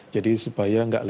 jadi supaya nggak lewat